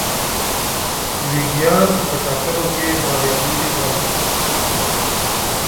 ویګیان په ټاکنو کې بریالي شول.